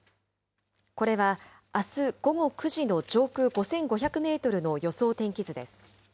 これはあす午後９時の上空５５００メートルの予想天気図です。